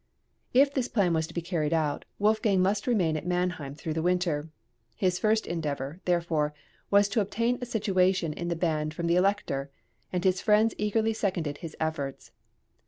If this plan was to be carried out, Wolfgang must remain at Mannheim through the winter. His first endeavour, therefore, was to obtain a situation in the band from the Elector, and his friends eagerly seconded his efforts.